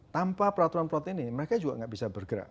tanpa peraturan peraturan ini mereka juga nggak bisa bergerak